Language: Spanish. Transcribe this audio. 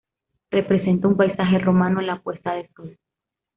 Representa un paisaje romano en la puesta de sol.